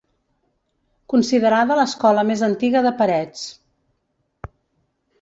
Considerada l'escola més antiga de Parets.